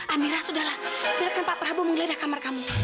amira sudahlah biar kenapa pak prabu menggeledah kamar kamu